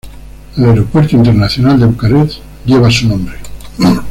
El Aeropuerto Internacional de Bucarest lleva su nombre.